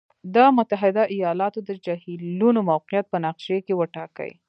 د متحد ایالاتو د جهیلونو موقعیت په نقشې کې وټاکئ.